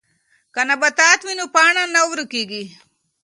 که نبات وي نو پاڼه نه ورکیږي.